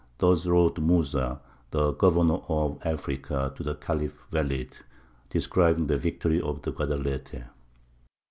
Thus wrote Mūsa, the Governor of Africa, to the Khalif Welīd, describing the victory of the Guadalete.